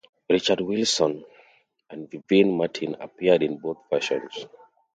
Richard Wilson and Vivienne Martin appeared in both versions.